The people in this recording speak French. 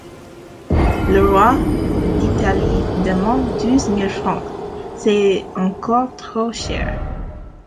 Le roi d’Italie demande douze mille francs, c’est encore trop cher.